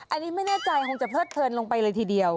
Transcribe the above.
อันนี้ไม่แน่ใจคงจะเพลิดเพลินลงไปเลยทีเดียว